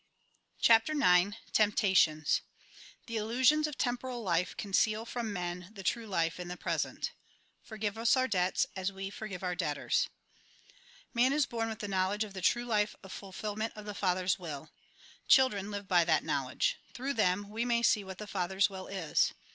CHAPTEE IX TEMPTATIONS The illusions of temporal life conceal from men the true life in the present ("jporgfve U0 our Debts as we forgive our debtors") Man is born with knowledge of the true life of fulfilment of the Father's will. Children live by that knowledge ; through them we may see what the Father's will is.